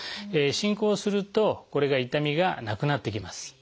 進行するとこれが痛みがなくなってきます。